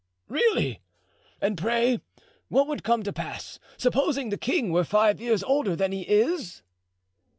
"Really! And pray what would come to pass, supposing the king were five years older than he is?"